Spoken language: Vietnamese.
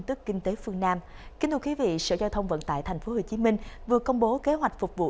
thưa quý vị sở giao thông vận tải tp hcm vừa công bố kế hoạch phục vụ